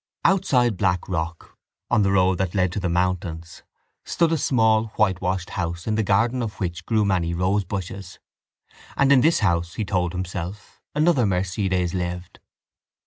Outside Blackrock, on the road that led to the mountains, stood a small whitewashed house in the garden of which grew many rosebushes: and in this house, he told himself, another Mercedes lived.